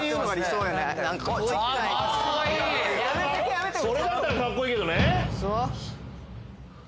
それだったらカッコいいけどね。